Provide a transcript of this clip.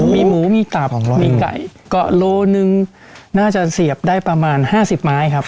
มีหมูมีตับมีไก่เกาะโลหนึ่งน่าจะเสียบได้ประมาณ๕๐ไม้ครับ